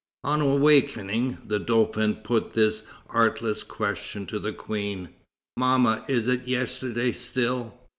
On awaking, the Dauphin put this artless question to the Queen: "Mamma, is it yesterday still?"